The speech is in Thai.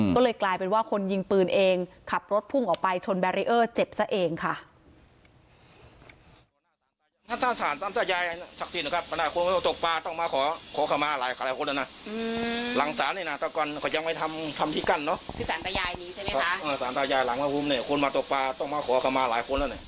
ก็เลยกลายเป็นว่าคนยิงปืนเองขับรถพุ่งออกไปชนแบรีเออร์เจ็บซะเองค่ะ